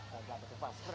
jangan sampai ke pasar